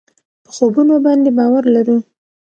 په خوبونو باندې باور لرو.